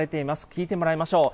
聞いてもらいましょう。